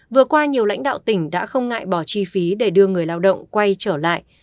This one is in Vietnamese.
vừa qua nhiều lãnh đạo tỉnh đã không ngại bỏ chi phí để đưa người lao động quay trở lại